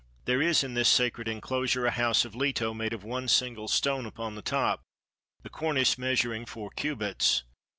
There is in this sacred enclosure a house of Leto made of one single stone upon the top, the cornice measuring four cubits.